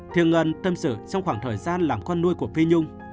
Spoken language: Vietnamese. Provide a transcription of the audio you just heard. thiêng ân tâm sự trong khoảng thời gian làm con nuôi của phi nhung